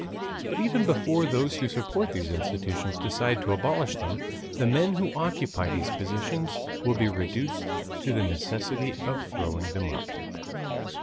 But even before those who support these institutions decide to abolish them, the men who occupy these positions will be reduced to the necessity of throwing them up.